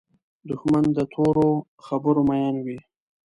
دښمن د تورو خبرو مین وي